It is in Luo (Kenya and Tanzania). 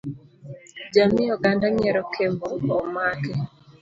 Jamii oganda nyiero Kembo omaki.